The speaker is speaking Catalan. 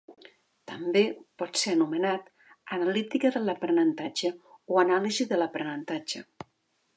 També, pot ser anomenat: analítica de l'aprenentatge o anàlisi de l'aprenentatge.